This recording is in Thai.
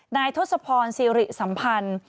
นายทศพรซีริสัมพันธ์